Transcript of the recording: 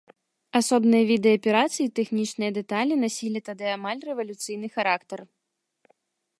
Асобныя віды аперацый і тэхнічныя дэталі насілі тады амаль рэвалюцыйны характар.